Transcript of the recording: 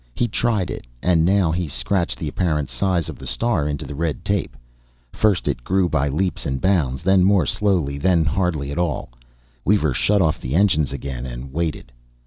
He tried it, and now he scratched the apparent size of the star into the red tape. First it grew by leaps and bounds, then more slowly, then hardly at all. Weaver shut off the engines again, and waited.